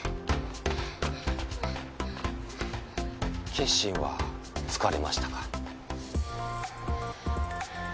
決心はつかれましたか？